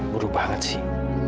buruh banget sih